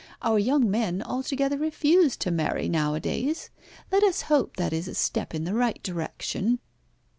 Our young men altogether refuse to marry nowadays. Let us hope that is a step in the right direction."